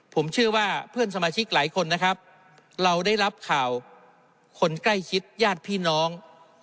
ผมเชื่อว่าเพื่อนสมาชิกหลายคนนะครับเราได้รับข่าวคนใกล้ชิดญาติพี่น้อง